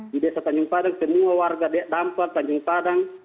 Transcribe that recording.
di desa tanjung padang semua warga dampak tanjung padang